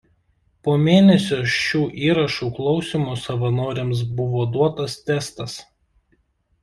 Po mėnesio šių įrašų klausymo savanoriams buvo duotas testas.